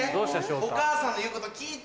お母さんの言うこと聞いて！